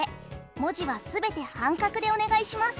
文字は全て半角でお願いします。